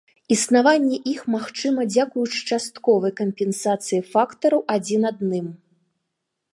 Існаванне іх магчыма дзякуючы частковай кампенсацыі фактараў адзін адным.